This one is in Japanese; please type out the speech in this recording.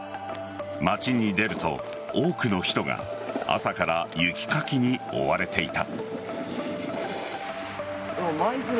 街に出ると多くの人が朝から雪かきに追われていた。